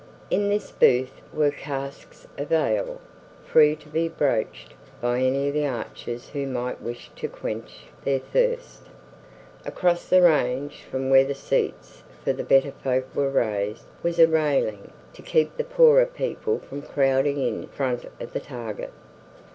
In this booth were casks of ale, free to be broached by any of the archers who might wish to quench their thirst. Across the range from where the seats for the better folk were raised was a railing to keep the poorer people from crowding in front of the target.